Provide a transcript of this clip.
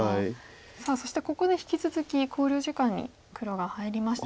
さあそしてここで引き続き考慮時間に黒が入りました。